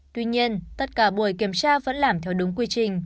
tuy nhiên tất cả buổi kiểm tra vẫn làm theo đúng quy trình